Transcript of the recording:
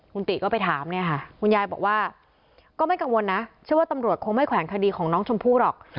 คุณติก็ไปถามเนี่ยค่ะคุณยายบอกว่าก็ไม่กังวลนะเชื่อว่าตำรวจคงไม่แขวนคดีของน้องชมพู่หรอก